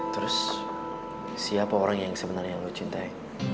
terus siapa orang yang sebenarnya yang lo cintai